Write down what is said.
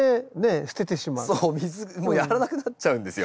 もうやらなくなっちゃうんですよ。